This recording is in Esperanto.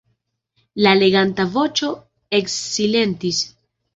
La leganta voĉo eksilentis.